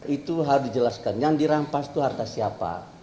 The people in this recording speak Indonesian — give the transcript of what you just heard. itu harus dijelaskan yang dirampas itu harta siapa